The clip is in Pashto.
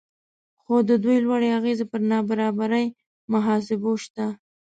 خو د دوی لوړې اغیزې پر نابرابرۍ محاسبو شته